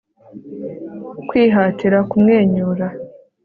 Kwihatira kumwenyura